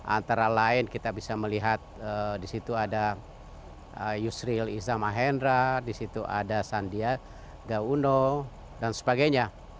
antara lain kita bisa melihat di situ ada yusril izam mahendra di situ ada sandiaga uno dan sebagainya